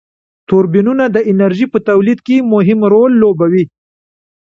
توربینونه د انرژی په تولید کی مهم رول لوبوي.